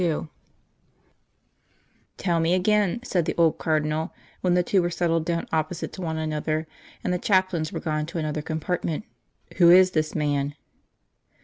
II "Tell me again," said the old Cardinal, when the two were settled down opposite to one another, and the chaplains were gone to another compartment. "Who is this man?"